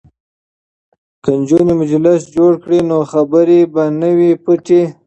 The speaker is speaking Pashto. که نجونې مجلس جوړ کړي نو خبرې به نه وي پټې.